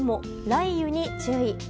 雷雨に注意。